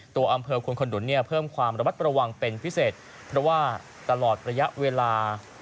ตัวอำเพิ่มความระวัติประวังเป็นพิเศษเพราะว่าตลอดระยะเวลา